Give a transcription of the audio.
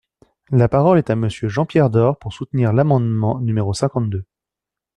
La parole est à Monsieur Jean-Pierre Door, pour soutenir l’amendement numéro cinquante-deux.